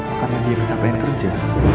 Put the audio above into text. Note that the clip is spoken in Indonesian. apakah dia kecapean kerja